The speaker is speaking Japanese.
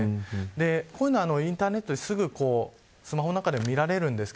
こういうのはインターネットで、すぐスマホでも見れます。